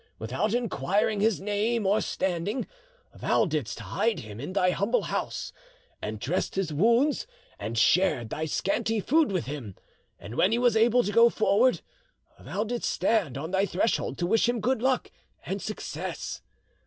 Without inquiring his name or standing, thou didst hide him in thy humble house, and dressed his wounds, and shared thy scanty food with him, and when he was able to go forward thou didst stand on thy threshold to wish him good luck and success.